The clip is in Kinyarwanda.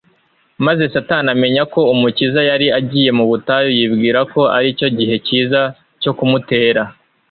Maze Satani amenya ko Umukiza yari agiye mu butayu, yibwira ko ari cyo gihe cyiza cyo kumutera